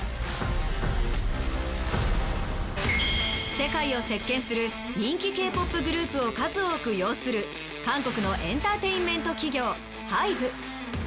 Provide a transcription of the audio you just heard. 世界を席巻する人気Ｋ−ＰＯＰグループを数多く擁する韓国のエンターテインメント企業ＨＹＢＥ。